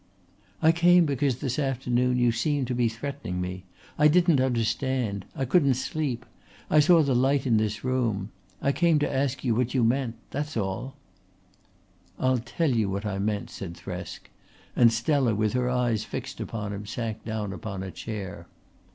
"I came because this afternoon you seemed to be threatening me. I didn't understand. I couldn't sleep. I saw the light in this room. I came to ask you what you meant that's all." "I'll tell you what I meant," said Thresk, and Stella with her eyes fixed upon him sank down upon a chair.